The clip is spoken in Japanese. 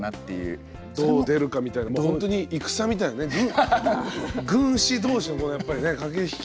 どう出るかみたいなもうほんとに戦みたいにね軍師同士のこのやっぱりね駆け引き。